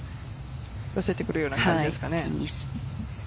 寄せてくるような感じですかね。